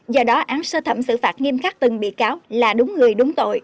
do đó án sơ thẩm xử phạt nghiêm khắc từng bị cáo là đúng người đúng tội